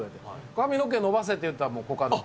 髪の毛伸ばせって言ったのもコカド君。